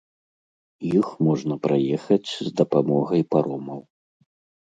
Іх можна праехаць з дапамогай паромаў.